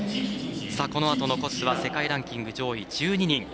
このあと残すは世界ランキング上位１２人。